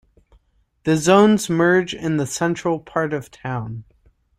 The zones merge in the central part of town.